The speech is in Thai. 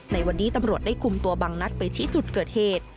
ในวันนี้ตำรวจได้คุมตัวบังนัดไปชี้จุดเกิดเหตุ